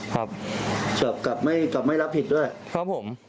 เออชอบกลับไม่รับผิดด้วยครับผม